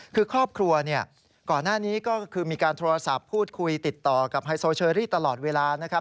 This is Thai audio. คือครอบครัวเนี่ยก่อนหน้านี้ก็คือมีการโทรศัพท์พูดคุยติดต่อกับไฮโซเชอรี่ตลอดเวลานะครับ